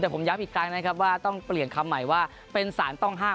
แต่ผมย้ำอีกครั้งนะครับว่าต้องเปลี่ยนคำใหม่ว่าเป็นสารต้องห้าม